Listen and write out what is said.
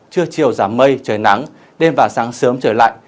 trưa chiều giảm mây trời nắng đêm và sáng sớm trời lạnh